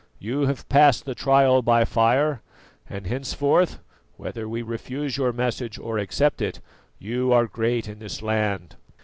You have passed the trial by fire, and henceforth, whether we refuse your message or accept it, you are great in this land."